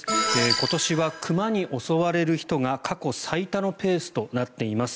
今年は熊に襲われる人が過去最多のペースとなっています。